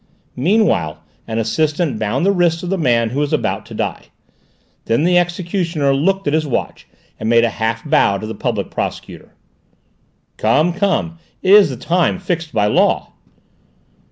Meanwhile an assistant bound the wrists of the man who was about to die. Then the executioner looked at his watch and made a half bow to the Public Prosecutor. "Come! Come! It is the time fixed by law!"